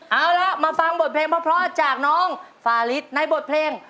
เอาละมาฟังบทเพลงเพราะจากน้องฟาลิสในบทเพลง